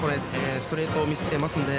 ストレートを見せてますので。